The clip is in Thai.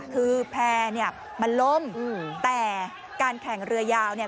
คือแพร่เนี่ยมันล่มแต่การแข่งเรือยาวเนี่ย